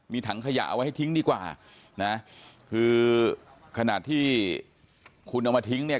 มีถังขยะเอาไว้ให้ทิ้งดีกว่านะคือขนาดที่คุณเอามาทิ้งเนี่ย